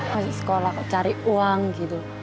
kasih sekolah cari uang gitu